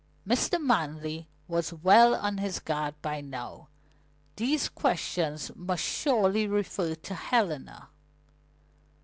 Mr. Manley was well on his guard by now. These questions must surely refer to Helena.